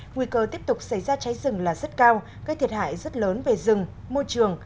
nguy cơ tiếp tục xảy ra cháy rừng là rất cao gây thiệt hại rất lớn về rừng môi trường